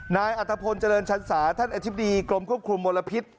นายอัตภพลเจริญชันสาท่านอธิบดีกรมควบคุมมลพิษ